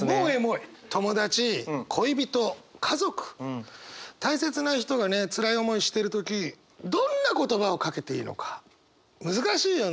友達恋人家族大切な人がねつらい思いしてる時どんな言葉をかけていいのか難しいよね。